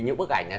những bức ảnh này